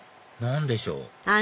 何でしょう？